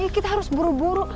kita harus buru buru